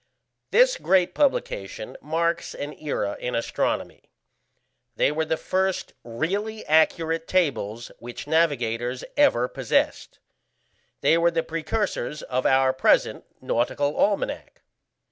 This great publication marks an era in astronomy. They were the first really accurate tables which navigators ever possessed; they were the precursors of our present Nautical Almanack.